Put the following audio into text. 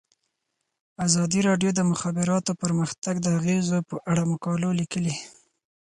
ازادي راډیو د د مخابراتو پرمختګ د اغیزو په اړه مقالو لیکلي.